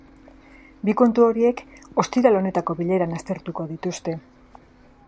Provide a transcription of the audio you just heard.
Bi kontu horiek ostiral honetako bileran aztertuko dituzte.